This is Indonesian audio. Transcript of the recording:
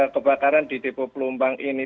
kebakaran di depo pelumpang ini